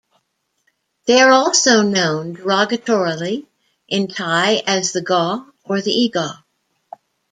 They are also known derogatorily in Thai as the Gaw or the E-gaw.